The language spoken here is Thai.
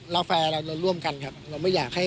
แฟร์เราร่วมกันครับเราไม่อยากให้